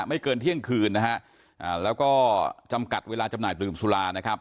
เกินเที่ยงคืนนะฮะแล้วก็จำกัดเวลาจำหน่ายดื่มสุรานะครับ